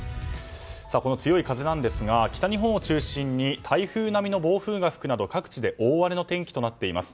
この強い風なんですが北日本を中心に台風並みの暴風が吹くなど各地で大荒れの天気となっています。